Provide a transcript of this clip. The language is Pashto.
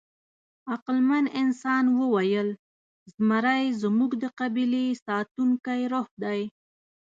عقلمن انسان وویل: «زمری زموږ د قبیلې ساتونکی روح دی».